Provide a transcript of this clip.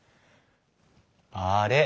あれ？